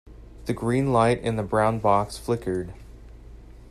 The green light in the brown box flickered.